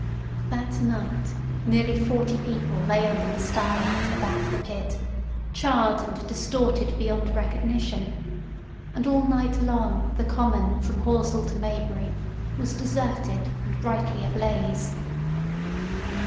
That night nearly forty people lay under the starlight about the pit, charred and distorted beyond recognition, and all night long the common from Horsell to Maybury was deserted and brightly ablaze.